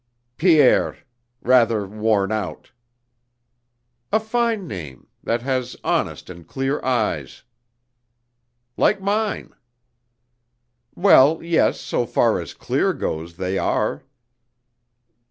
"Pierre rather worn out." "A fine name that has honest and clear eyes." "Like mine." "Well, yes, so far as clear goes they are."